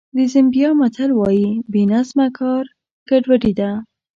د زیمبیا متل وایي بې نظمه کار ګډوډي ده.